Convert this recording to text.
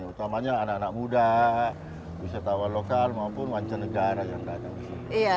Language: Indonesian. utamanya anak anak muda musatawan lokal maupun masyarakat negara yang datang ke sini